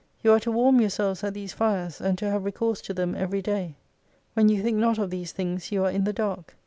You are to warm yourselves at these fires, and to have recourse to them every day. When you think not of these things you are in the dark.